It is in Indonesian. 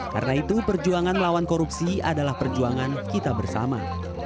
karena itu perjuangan melawan korupsi adalah perjuangan kita bersama